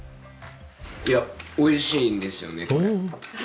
いやおいしいんですよねこれ。